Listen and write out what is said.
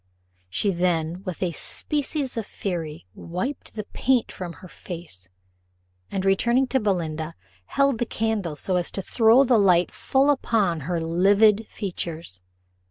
She then, with a species of fury, wiped the paint from her face, and returning to Belinda, held the candle so as to throw the light full upon her livid features.